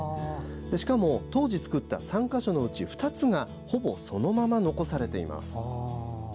しかも当時造った３か所のうち２つがほぼそのまま残されています。